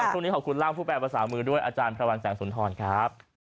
ขอบคุณร่างผู้แปลภาษามือด้วยอาจารย์พระวันแสงสุนทรครับ